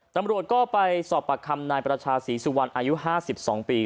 ตำรวจก็ไปสอบปากคำนายประชาศรีสุวรรณอายุ๕๒ปี